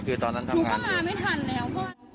หนูก็อ่านแชร์ในมันจะ๗โมงแล้ว